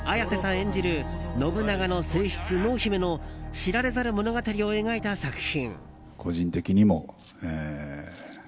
演じる信長の正室・濃姫の知られざる物語を描いた作品。